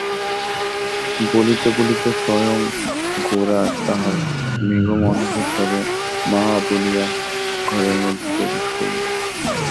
বলিতে বলিতে স্বয়ং গোরা তাহার মেঘমন্দ্র স্বরে মা বলিয়া ঘরের মধ্যে প্রবেশ করিল।